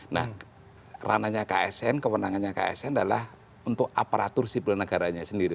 nah ranahnya ksn kewenangannya ksn adalah untuk aparatur sipil negaranya sendiri